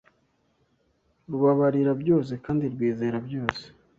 Rubabarira byose kandi rwizera byose